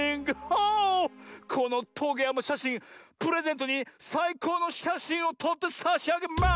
このトゲやまシャシンプレゼントにさいこうのしゃしんをとってさしあげます！